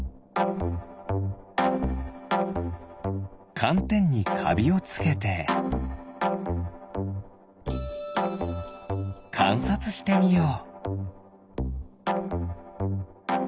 かんてんにかびをつけてかんさつしてみよう。